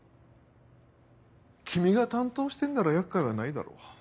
君が担当してるなら厄介はないだろう。